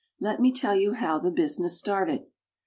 Let me tell you how the business started.